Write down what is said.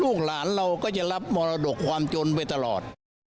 ลูกหลานเราก็จะรับมรดกความจนไปตลอด